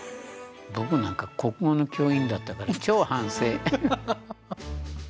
僕なんか国語の教員だったから超反省。